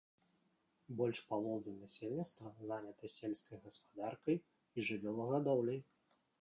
Больш паловы насельніцтва занята сельскай гаспадаркай і жывёлагадоўляй.